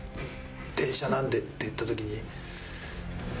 電車なんで」って言った時に。